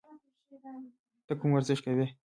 ته کوم ورزش کوې؟